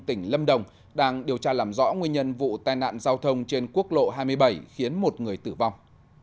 tỉnh lâm đồng đang điều tra làm rõ nguyên nhân vụ tai nạn giao thông trên quốc lộ hai mươi bảy khiến một người tử vong